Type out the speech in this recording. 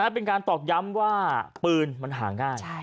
เป็นการตอกย้ำว่าปืนมันหาง่าย